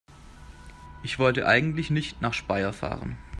Ich wollte eigentlich nicht nach Speyer fahren